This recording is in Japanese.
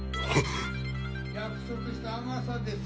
約束した阿笠です。